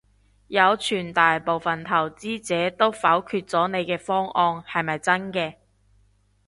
有傳大部份投資者都否決咗你嘅方案，係咪真嘅？